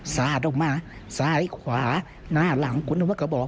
สาดออกมาซ้ายขวาหน้าหลังคุณว่าก็บอก